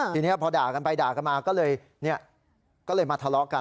ทีนี้พอด่ากันไปด่ากันมาก็เลยมาทะเลาะกัน